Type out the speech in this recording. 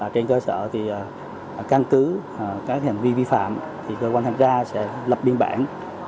trên cơ sở căn cứ các hành vi vi phạm thì cơ quan thanh tra sẽ lập biên bản